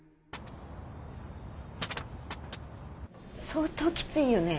相当きついよね。